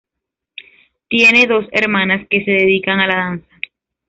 Tiene dos hermanas que se dedican a la danza.